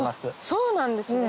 そうなんですね